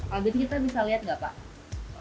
oke untuk sekarang seperti di gambar ini